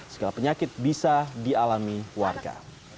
segala penyakit bisa dialami warga